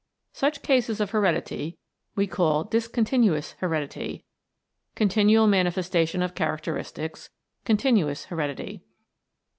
Such cases of heredity we call Discontinuous Heredity, continual manifestation of characteristics Continuous Heredity.